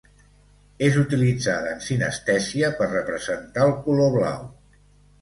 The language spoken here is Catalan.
És utilitzada en sinestèsia per representar el color blau.